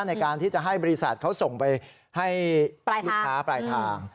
ในการที่จะให้บริษัทเขาส่งไปให้ลูกค้าปลายทาง